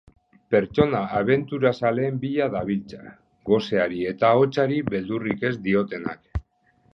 Pertsona abenturazaleen bila dabiltza, goseari eta hotzari beldurrik ez diotenak.